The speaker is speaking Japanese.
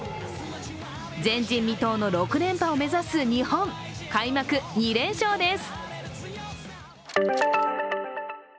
前人未到の６連覇を目指す日本開幕２連勝です。